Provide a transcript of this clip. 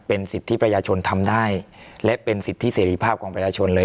เป็นสิทธิประชาชนทำได้และเป็นสิทธิเสรีภาพของประชาชนเลย